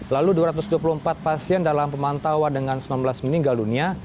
lalu dua ratus dua puluh empat pasien dalam pemantauan dengan sembilan belas meninggal dunia